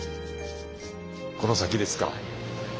この先ですか。